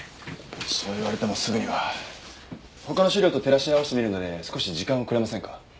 そう言われてもすぐには。他の資料と照らし合わせてみるので少し時間をくれませんか？